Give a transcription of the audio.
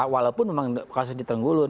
walaupun memang kasus di trenggulun